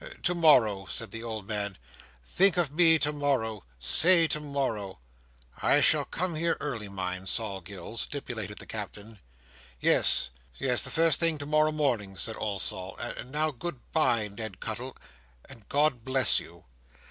To morrow," said the old man. "Think of me to morrow. Say to morrow." "I shall come here early, mind, Sol Gills," stipulated the Captain. "Yes, yes. The first thing tomorrow morning," said old Sol; "and now good bye, Ned Cuttle, and God bless you!"